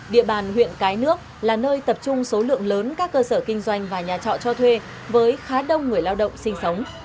địa bàn huyện cái nước là nơi tập trung số lượng lớn các cơ sở kinh doanh và nhà trọ cho thuê với khá đông người lao động sinh sống